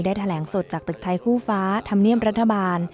แถลงสดจากตึกไทยคู่ฟ้าธรรมเนียมรัฐบาล